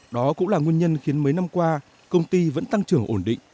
đó cũng là nguyên nhân khiến mấy năm qua công ty vẫn tăng trưởng ổn định